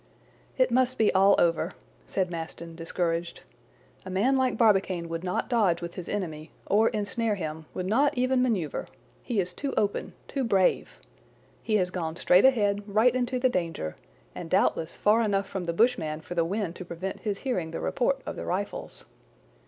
"It must be all over," said Maston, discouraged. "A man like Barbicane would not dodge with his enemy, or ensnare him, would not even maneuver! He is too open, too brave. He has gone straight ahead, right into the danger, and doubtless far enough from the bushman for the wind to prevent his hearing the report of the rifles."